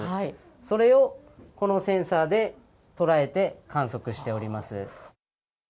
それをこのセンサーで捉えて観測しております。